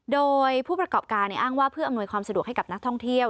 โดยผู้ประกอบการอ้างว่าเพื่ออำนวยความสะดวกให้กับนักท่องเที่ยว